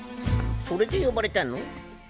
それで呼ばれたの？